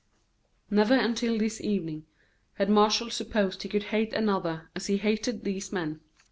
Never until this evening had Martial supposed he could hate another as he hated these men.